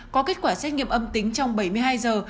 có kết quả xét nghiệm âm tính trong bảy mươi hai giờ